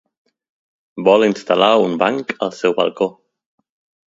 Vol instal·lar un banc al seu balcó.